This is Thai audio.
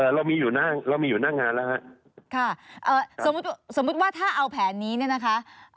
เอ่อเรามีอยู่หน้างานแล้วครับค่ะสมมุติว่าถ้าเอาแผนนี้เนี่ยนะคะ